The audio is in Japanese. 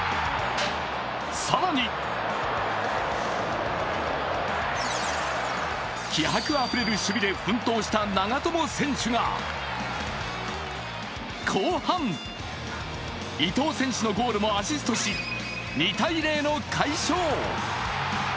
更に気迫あふれる守備で奮闘した長友選手が後半、伊東選手のゴールもアシストし２−０の快勝。